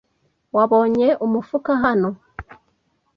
Wabonye umufuka hano?